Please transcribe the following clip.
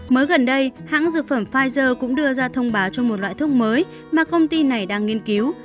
mới gần đây hãng dược phẩm pfizer cũng đưa ra thông báo cho một loại thuốc mới mà công ty này đang nghiên cứu